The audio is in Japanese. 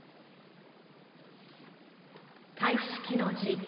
開式の辞。